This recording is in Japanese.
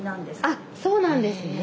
あっそうなんですね。